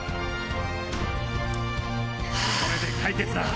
これで解決だ！